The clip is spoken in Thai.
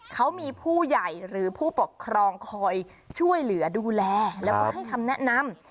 เขามีผู้ใหญ่หรือผู้ปกครองคอยช่วยเหลือดูแลแล้วก็ให้คำแนะนำ